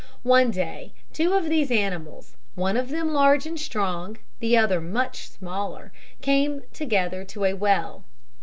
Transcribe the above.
One day two of these animals, one of them large and strong, the other much smaller, came together to a well.